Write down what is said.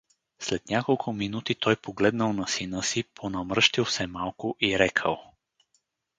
След няколко минути той погледнал на сина си, понамръщил се малко и рекъл: